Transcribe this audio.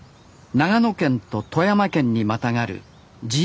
長野県と富山県にまたがる爺ヶ岳。